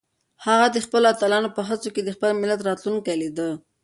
هغه د خپلو اتلانو په هڅو کې د خپل ملت راتلونکی لیده.